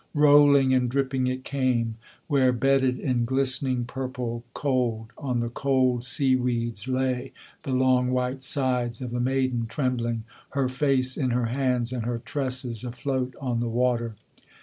Rolling and dripping it came, where bedded in glistening purple Cold on the cold sea weeds lay the long white sides of the maiden, Trembling, her face in her hands, and her tresses afloat on the water.